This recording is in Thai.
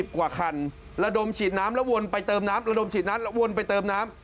กว่าคันระดมฉีดน้ำแล้ววนไปเติมน้ำระดมฉีดน้ำแล้ววนไปเติมน้ำ